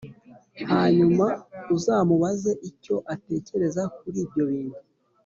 Hanyuma uzamubaze icyo atekereza kuri ibyo bintu